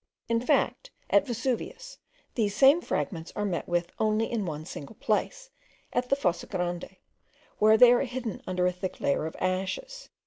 In fact, at Vesuvius, these same fragments are met with only in one single place, at the Fossa Grande, where they are hidden under a thick layer of ashes.